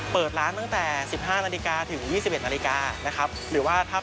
เปิดร้านตั้งแต่๑๕๒๑นาฬิกา